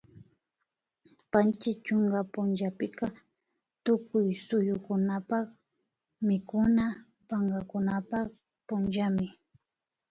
Panchi chunka punllapika tukuy suyukunapak mikuna pankakunapak punllami